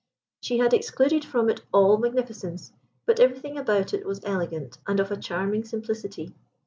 She had excluded from it all magnificence, but everything about it was elegant, and of a charming simplicity.